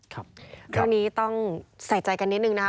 ตอนนี้ต้องใส่ใจกันนิดนึงนะ